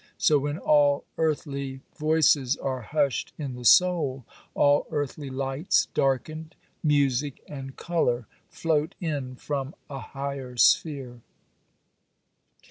So when all earthly voices are hushed in the soul, all earthly lights darkened, music and colour float in from a higher sphere.